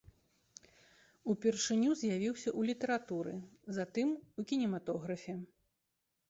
Упершыню з'явіўся ў літаратуры, затым у кінематографе.